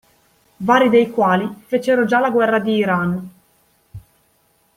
Vari dei quali fecero già la guerra di Iran.